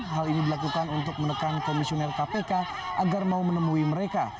hal ini dilakukan untuk menekan komisioner kpk agar mau menemui mereka